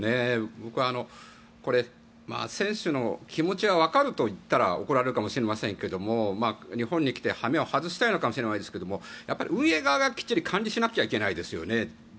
僕はこれ、選手の気持ちはわかると言ったら怒られるかもしれませんが日本に来て羽目を外したいのかもしれないですがやっぱり運営側がきっちり管理しなくちゃいけないですよね。